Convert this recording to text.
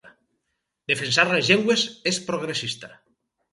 Defensar les llengües és progressista.